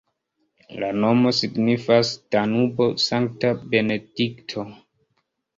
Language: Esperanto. La nomo signifas Danubo-Sankta Benedikto.